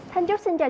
thanh trúc xin chào